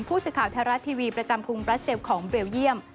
ผู้สื่อข่าวไทยรัฐทีวีประจำกรุงบราเซลของเบลเยี่ยม